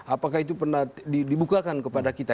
apakah itu pernah dibukakan kepada kita